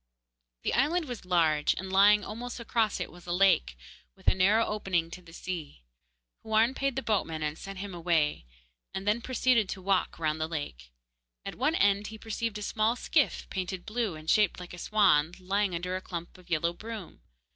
The island was large, and lying almost across it was a lake, with a narrow opening to the sea. Houarn paid the boatman and sent him away, and then proceeded to walk round the lake. At one end he perceived a small skiff, painted blue and shaped like a swan, lying under a clump of yellow broom.